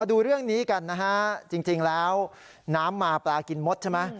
ดูเรื่องนี้กันนะฮะจริงแล้วน้ำมาปลากินมดใช่ไหม